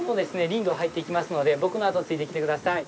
林道に入っていきますので僕のあとについてきてください。